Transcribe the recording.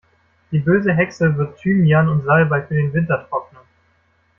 Die böse Hexe wird Thymian und Salbei für den Winter trocknen.